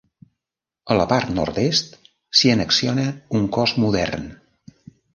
A la part nord-est s'hi annexiona un cos modern.